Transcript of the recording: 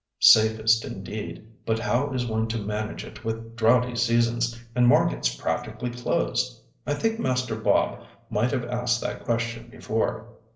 "Safest indeed; but how is one to manage it with droughty seasons, and markets practically closed? I think Master Bob might have asked that question before.